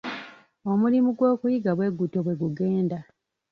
Omulimu gw'okuyiga bwe gutyo bwe gugenda.